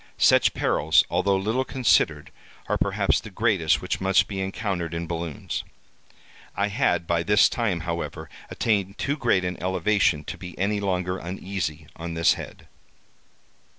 Such perils, although little considered, are perhaps the greatest which must be encountered in balloons. I had by this time, however, attained too great an elevation to be any longer uneasy on this head.